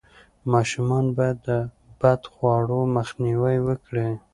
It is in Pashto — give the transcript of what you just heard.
ماشومان باید د بدخواړو مخنیوی وکړي.